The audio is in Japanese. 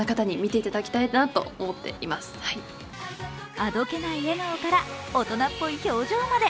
あどけない笑顔から大人っぽい表情まで。